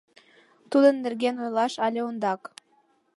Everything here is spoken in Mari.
Тудын нерген ойлаш але ондак.